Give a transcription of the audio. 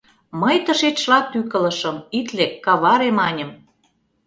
Мый тышечла тӱкылышым — ит лек, каваре, маньым.